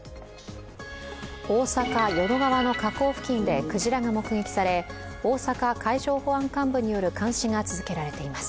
大阪・淀川の河口付近でクジラが目撃され大阪海上保安監部による監視が続けられています。